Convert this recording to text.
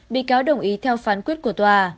bị cáo đồng ý theo phán quyết của tòa